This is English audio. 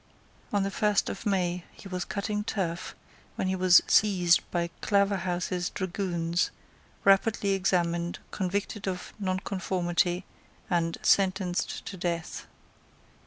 On the first of May he was cutting turf, when he was seized by Claverhouse's dragoons, rapidly examined, convicted of nonconformity, and sentenced to death.